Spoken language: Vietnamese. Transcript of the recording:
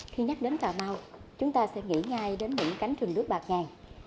khi nhắc đến cà mau chúng ta sẽ nghĩ ngay đến những cánh rừng nước bạc ngàn